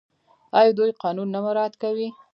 آیا دوی قانون نه مراعات کوي؟